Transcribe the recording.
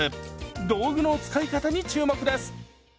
道具の使い方に注目です！